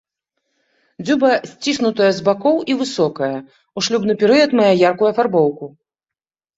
Дзюба сціснутая з бакоў і высокая, у шлюбны перыяд мае яркую афарбоўку.